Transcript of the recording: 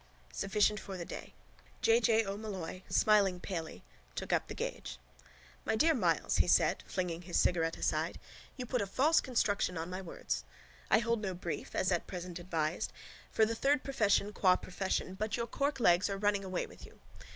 SUFFICIENT FOR THE DAY... J. J. O'Molloy, smiling palely, took up the gage. —My dear Myles, he said, flinging his cigarette aside, you put a false construction on my words. I hold no brief, as at present advised, for the third profession qua profession but your Cork legs are running away with you.